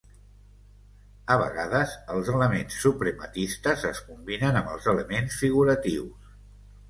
A vegades els elements suprematistes es combinen amb els elements figuratius.